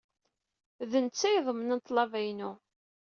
D netta ay iḍemnen ḍḍlaba-inu.